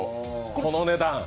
この値段。